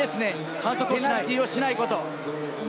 反則、ペナルティーをしないこと。